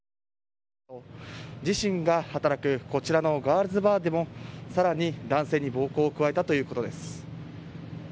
自身が働くこちらのガールズバーでも更に男性に暴行を加えたということです。